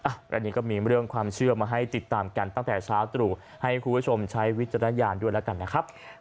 อันนี้ก็มีเรื่องความเชื่อมาให้ติดตามกันตั้งแต่เช้าตรู่ให้คุณผู้ชมใช้วิจารณญาณด้วยแล้วกันนะครับ